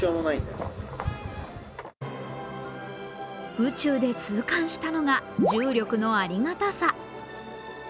宇宙で痛感したのが、重力のありがたさ。